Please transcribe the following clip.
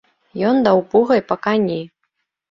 Ён даў пугай па кані.